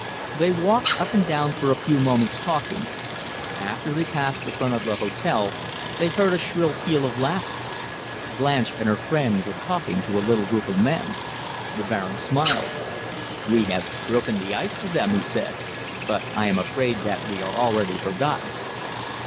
They walked up and down for a few moments talking. As they passed the front of the hotel, they heard a shrill peal of laughter. Blanche and her friend were talking to a little group of men. The Baron smiled. "We have broken the ice for them," he said, "but I am afraid that we are already forgotten."